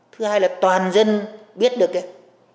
thứ hai là toàn dân biết được kìa